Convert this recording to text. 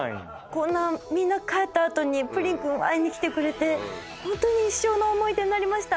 こんなみんな帰った後にプリンくん会いに来てくれてホントに一生の思い出になりました。